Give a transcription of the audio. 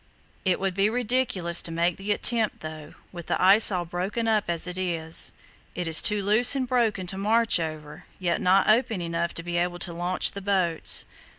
It would be ridiculous to make the attempt though, with the ice all broken up as it is. It is too loose and broken to march over, yet not open enough to be able to launch the boats."